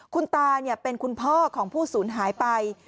คุณตาเป็นคุณพ่อของผู้สูญหายไป